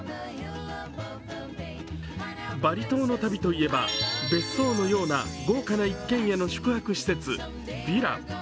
バリ島の旅といえば別荘のような豪華な一軒家、ビラ。